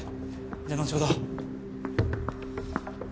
じゃあのちほど。